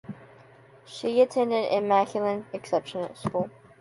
She attended Immaculate Conception School.